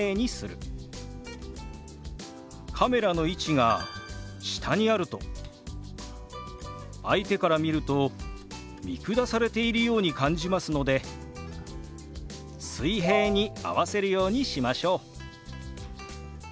カメラの位置が下にあると相手から見ると見下されているように感じますので水平に合わせるようにしましょう。